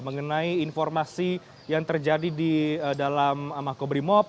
mengenai informasi yang terjadi di dalam makobrimob